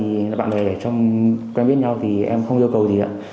vì sau đó bạn bè lấy cho quen biết nhau thì em không yêu cầu gì ạ